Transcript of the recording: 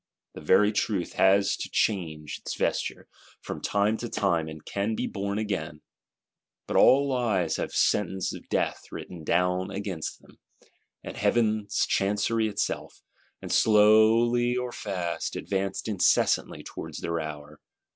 The very Truth has to change its vesture, from time to time; and be born again. But all Lies have sentence of death written down against them, and Heaven's Chancery itself; and, slowly or fast, advance incessantly towards their hour.